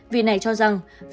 vì này cho rằng